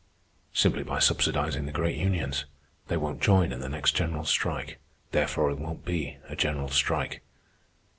"Simply by subsidizing the great unions. They won't join in the next general strike. Therefore it won't be a general strike."